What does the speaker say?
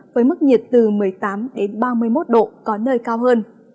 với mức nhiệt từ một mươi tám đến ba mươi một độ có nơi cao hơn